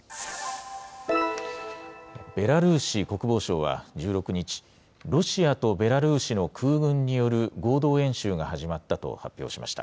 ベラルーシ国防省は１６日、ロシアとベラルーシの空軍による合同演習が始まったと発表しました。